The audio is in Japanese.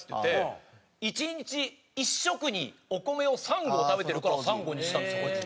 １日１食にお米を３合食べてるから「３号」にしたんですこいつ。